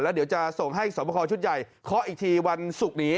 เดี๋ยวจะส่งให้สวบคอชุดใหญ่เคาะอีกทีวันศุกร์นี้